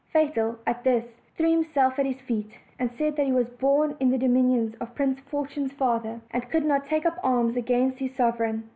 Fatal, at this, threw himself at his feet, and said that he was born in the dominions of Prince Fortune's father, and could not take up arms against his sovereign.